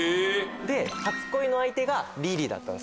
初恋の相手がリリーだったんです。